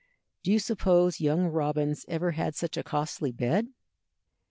Do you suppose young robins ever had such a costly bed?"